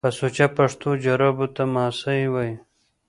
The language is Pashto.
په سوچه پښتو جرابو ته ماسۍ وايي